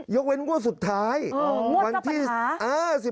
ยกเว้นงวดสุดท้ายวันที่อ๋องวดต้องปัญหา